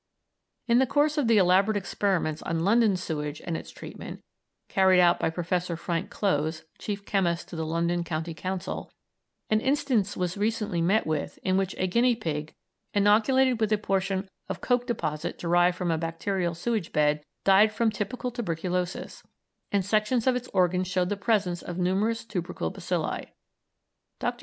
In the course of the elaborate experiments on London sewage and its treatment, carried out by Professor Frank Clowes, Chief Chemist to the London County Council, an instance was recently met with in which a guinea pig, inoculated with a portion of coke deposit derived from a bacterial sewage bed, died from typical tuberculosis, and sections of its organs showed the presence of numerous tubercle bacilli. Dr.